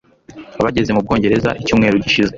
Bageze mu Bwongereza icyumweru gishize.